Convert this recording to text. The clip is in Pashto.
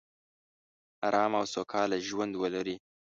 ارامه او سوکاله ژوندولري